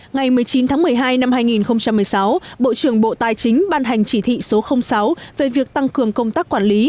ngày một mươi chín tháng một mươi hai năm hai nghìn một mươi sáu bộ trưởng bộ tài chính ban hành chỉ thị số sáu về việc tăng cường công tác quản lý